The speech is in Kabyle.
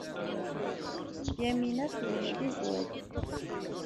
Yamina tuweḍ-d i zzwaj.